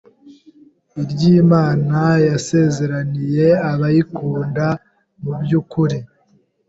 iry’Imana yasezeranije abayikunda, mu byukuri